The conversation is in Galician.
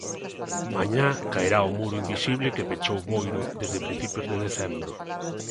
Mañá caerá o muro invisible que pechou Boiro desde principios de decembro.